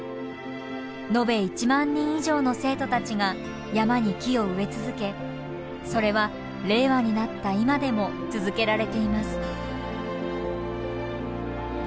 延べ１万人以上の生徒たちが山に木を植え続けそれは令和になった今でも続けられています。